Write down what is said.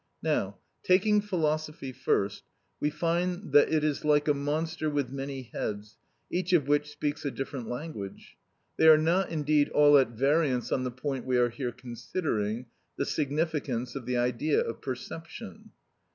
Now, taking philosophy first, we find that it is like a monster with many heads, each of which speaks a different language. They are not, indeed, all at variance on the point we are here considering, the significance of the idea of perception.